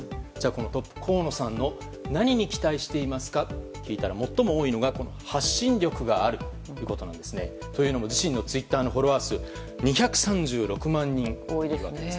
トップの河野さんの何に期待していますかと聞いたら最も多いのが発信力があるということなんですね。というのも自身のツイッターのフォロワー数２３６万人いるんです。